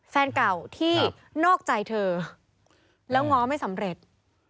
แฟนเก่าที่นอกใจเธอแล้วง้อไม่สำเร็จ